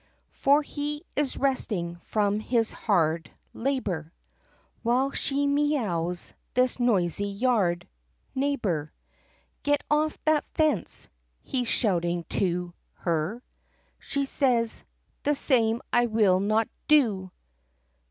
For he is resting from his hard Labor , While she mee ows , this noisy yard Neighbor. " Get off that fence!" he 's shouting to Her. Says she ," The same I will not do.